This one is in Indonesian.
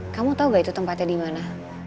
kamu tau gak itu tempatnya dimana